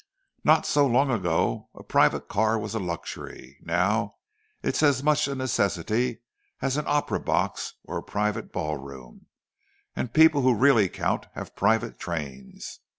Not so long ago a private car was a luxury; now it's as much a necessity as an opera box or a private ball room, and people who really count have private trains.